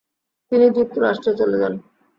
তিনি যুক্তরাষ্ট্রে চলে যান।